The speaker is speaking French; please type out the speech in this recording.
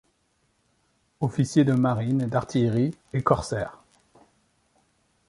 Officier de marine et d'artillerie, et corsaire.